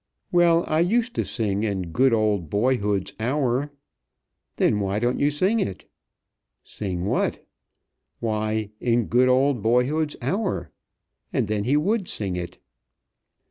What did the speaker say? "Well, I used to sing in good old boyhood's hour." "Then why don't you sing it?" "Sing what?" "Why, 'In Good Old Boyhood's Hour,'" and then he would sing it.